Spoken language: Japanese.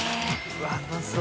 うわうまそう。